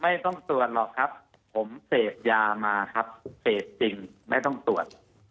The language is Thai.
ไม่ต้องตรวจหรอกครับผมเสพยามาครับเสพจริงไม่ต้องตรวจ